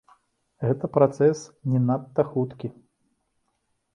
Гэта працэс не надта хуткі.